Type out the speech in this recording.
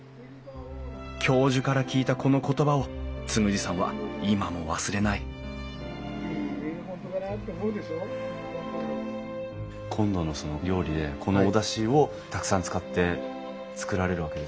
教授から聞いたこの言葉を嗣二さんは今も忘れない今度の料理でこのおだしをたくさん使って作られるわけですもんね。